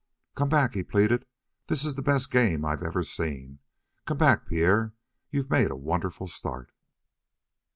"Come back," he pleaded. "This is the best game I've ever seen. Come back, Pierre! You've made a wonderful start."